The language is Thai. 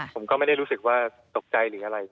ผมก็ไม่ได้รู้สึกว่าตกใจหรืออะไร